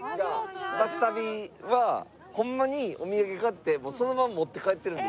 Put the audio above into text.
バス旅はホンマにお土産買ってそのまま持って帰ってるんで。